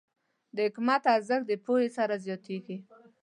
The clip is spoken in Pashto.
د حکمت ارزښت د پوهې سره زیاتېږي.